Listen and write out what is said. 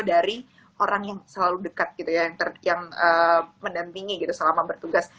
dari orang yang selalu dekat yang mendampingi selama bertugas